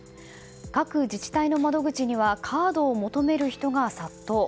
各自治体の窓口にはカードを求める人が殺到。